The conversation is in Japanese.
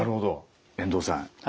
遠藤さん